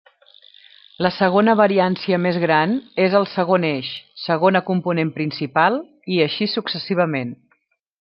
La segona variància més gran és el segon eix, segona component principal, i així successivament.